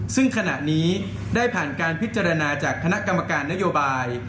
ซึ่งขณะนี้ได้ผ่านการพิจารณาจากคณะกรรมการนโยบาย